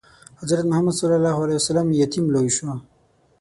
حضرت محمد ﷺ یتیم لوی شو.